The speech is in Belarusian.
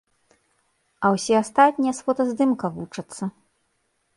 А ўсе астатнія з фотаздымка вучацца.